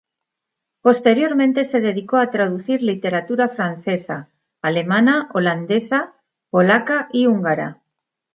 Posteriormente se dedicó a traducir literatura francesa, alemana, holandesa, polaca y húngara.